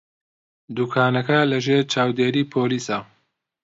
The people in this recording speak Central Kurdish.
دوکانەکە لەژێر چاودێریی پۆلیسە.